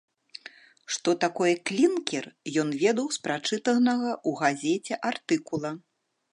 Што такое клінкер, ён ведаў з прачытанага ў газеце артыкула.